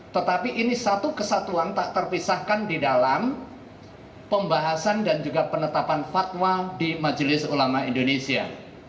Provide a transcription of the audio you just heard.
tetapi ini satu kesatuan tak terpisahkan di dalam pembahasan dan juga penetapan fatwa di majelis ulama indonesia